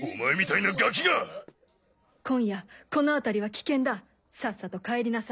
今夜この辺りは危険ださっさと帰りなさい。